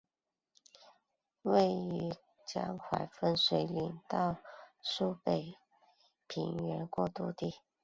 位于江淮分水岭到苏北平原过度地。